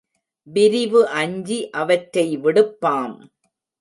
விரிவு அஞ்சி அவற்றை விடுப்பாம்.